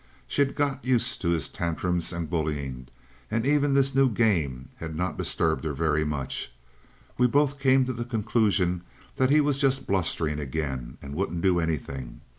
She had got used to his tantrums and bullying; and even this new game had not disturbed her very much. We both came to the conclusion that he was just blustering again, and wouldn't do anything.